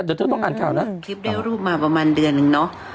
เดี๋ยวเธอต้องอ่านข่าวนะคลิปได้รูปมาประมาณเดือนนึงเนอะ